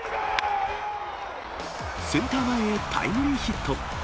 センター前へタイムリーヒット。